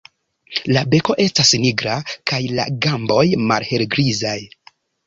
La beko estas nigra kaj la gamboj malhelgrizaj.